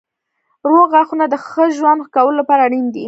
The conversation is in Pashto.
روغ غاښونه د ښه ژوند کولو لپاره اړین دي.